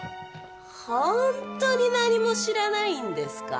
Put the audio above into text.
本当に何も知らないんですか？